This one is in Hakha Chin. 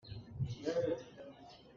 Sibawi ka si lo.